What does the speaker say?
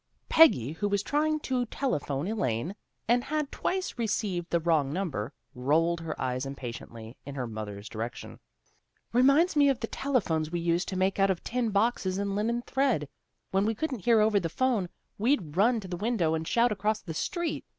Peggy, who was trying to telephone Elaine, and had twice received the wrong number, rolled her eyes impatiently in her mother's direction. " Reminds me of the telephones we used to make out of tin boxes and linen thread. When we couldn't hear over the 'phone we'd run to the window and shout across the street.